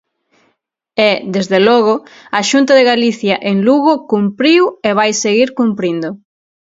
E, desde logo, a Xunta de Galicia en Lugo cumpriu e vai seguir cumprindo.